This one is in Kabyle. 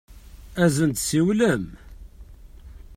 Ad n-tsiwlem?